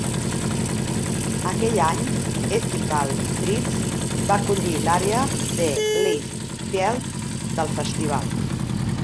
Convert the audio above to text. Aquell any, Ethical Threads va acollir l'àrea The Left Field del festival.